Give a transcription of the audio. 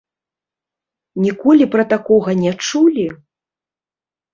Ніколі пра такога не чулі?